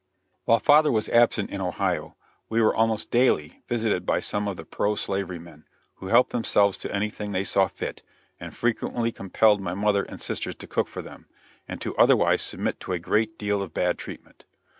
While father was absent in Ohio, we were almost daily visited by some of the pro slavery men, who helped themselves to anything they saw fit, and frequently compelled my mother and sisters to cook for them, and to otherwise submit to a great deal of bad treatment.